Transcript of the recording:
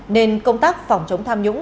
nên công tác phòng chống tham nhũng